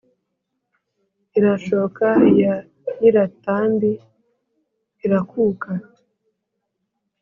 irashooka iya nyirátambi irakúuka